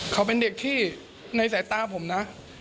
เขาเป็นเด็กที่ในสายตาผมนะ